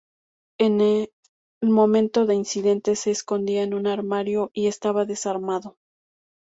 En el momento del incidente, se escondía en un armario y estaba desarmado.